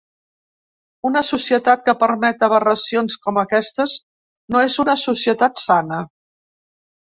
Una societat que permet aberracions com aquestes no és una societat sana.